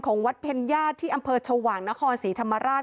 วัดเพ็ญญาติที่อำเภอชวางนครศรีธรรมราช